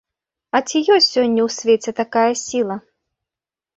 А ці ёсць сёння ў свеце такая сіла?